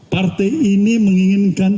partai ini menginginkan